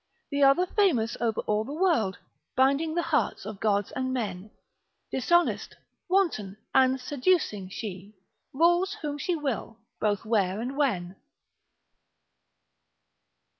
The other famous over all the world, Binding the hearts of gods and men; Dishonest, wanton, and seducing she, Rules whom she will, both where and when.